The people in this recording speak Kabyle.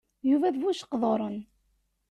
Yuba d bu-ijeqduṛen.